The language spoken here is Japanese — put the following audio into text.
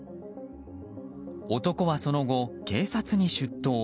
男はその後、警察に出頭。